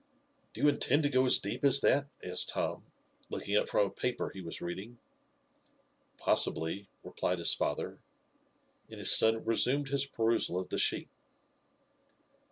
"Do you intend to go as deep as that?" asked Tom, looking up from a paper he was reading. "Possibly," replied his father; and his son resumed his perusal of the sheet.